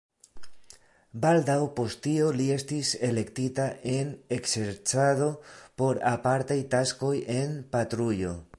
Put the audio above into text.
Baldaŭ post tio li estis elektita en ekzercado por apartaj taskoj en patrujo.